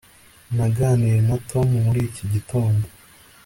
naganiriye na tom muri iki gitondo